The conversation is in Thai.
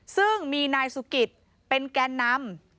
ซึ่งมีนายสุกิตเป็นแกนนำ